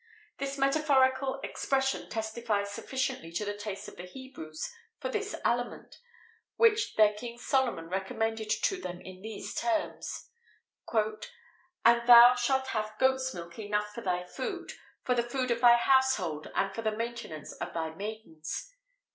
[XVIII 2] This metaphorical expression testifies sufficiently to the taste of the Hebrews for this aliment, which their King Solomon recommended to them in these terms: "and thou shalt have goat's milk enough for thy food, for the food of thy household, and for the maintenance of thy maidens."